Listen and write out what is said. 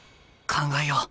考えよう。